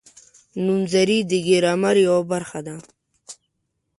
نومځري د ګرامر یوه برخه ده.